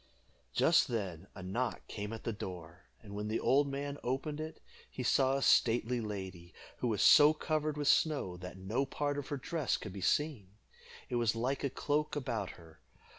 Just then a knock came at the door; and when the old man opened it, he saw a stately lady, who was so covered with snow that no part of her dress could be seen. It was like a cloak about her.